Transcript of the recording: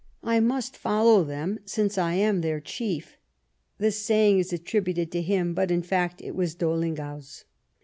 " I must follow them, since I am their chief." The saying is attributed to him, but, in fact, it was DoUinger's.